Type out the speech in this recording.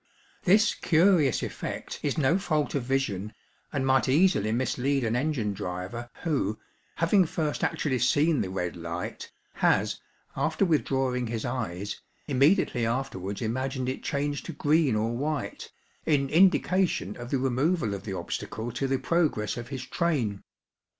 This curious effect is no fault of vision, and might easily mislead an engine driver who, having first actually seen the red light, has, after withdrawing his eyes, immediately afterwards imagined it changed to green or white, in indication of the removal of the obstacle to the progress of his train.